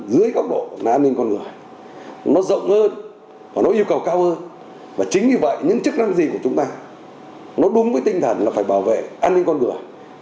dưới góc độ là an ninh con người nó rộng hơn và nó yêu cầu cao hơn và chính vì vậy những chức năng gì của chúng ta nó đúng với tinh thần là phải bảo vệ an ninh con người